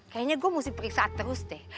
kayaknya gue mesti periksa terus deh